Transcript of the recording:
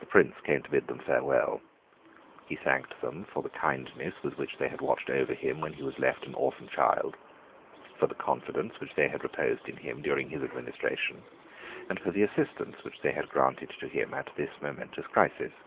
The Prince came to bid them farewell. He thanked them for the kindness with which they had watched over him when he was left an orphan child, for the confidence which they had reposed in him during his administration, and for the assistance which they had granted to him at this momentous crisis.